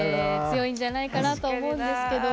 強いんじゃないかなと思うんですけど。